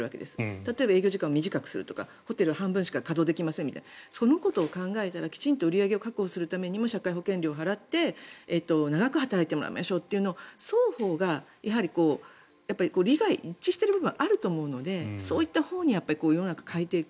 例えば営業時間短くするとかホテル半分しか稼働しませんとかそのことを考えたら、きちんと売り上げを確保するためにも社会保険料を払って長く働いてもらいましょうって双方が利害が一致している部分があると思うのでそういうほうに世の中を変えていく。